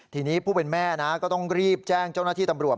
ทีนี้ผู้เป็นแม่นะก็ต้องรีบแจ้งเจ้าหน้าที่ตำรวจ